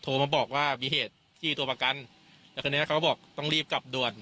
มาบอกว่ามีเหตุที่ตัวประกันแล้วทีนี้เขาก็บอกต้องรีบกลับด่วน